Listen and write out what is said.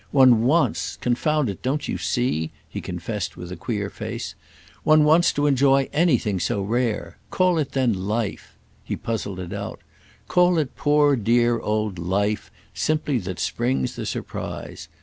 One wants, confound it, don't you see?" he confessed with a queer face—"one wants to enjoy anything so rare. Call it then life"—he puzzled it out—"call it poor dear old life simply that springs the surprise.